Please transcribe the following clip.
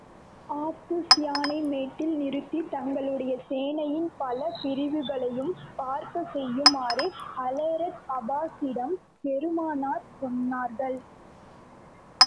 Abu ஸுப்யானை மேட்டில் நிறுத்தி, தங்களுடைய சேனையின் பல பிரிவுகளையும் பார்க்கச் செய்யுமாறு, ஹலரத் அப்பாஸிடம் பெருமானார் சொன்னார்கள்.